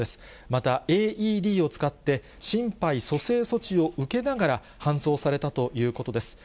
また、ＡＥＤを使って、心肺蘇生措置を受けながら、搬送されたということです。